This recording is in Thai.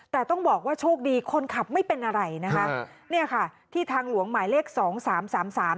แต่ต้องบอกว่าโชคดีคนขับไม่เป็นอะไรนะคะเนี่ยค่ะที่ทางหลวงหมายเลขสองสามสามสาม